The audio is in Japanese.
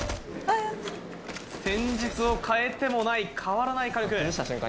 戦術を変えてもない変わらない軽く。